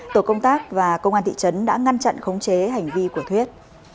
tổ công tác và công an thị trấn đã ngăn chặn khống chế hành vi của thuyết